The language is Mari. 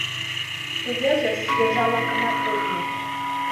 Тугеже свежа лакымат от му.